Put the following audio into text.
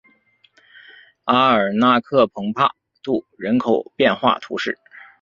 阿尔纳克蓬帕杜人口变化图示